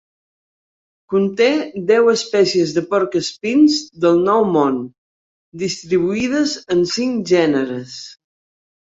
Conté deu espècies de porc espins del Nou Món, distribuïdes en cinc gèneres.